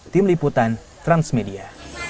tim liputan transmedia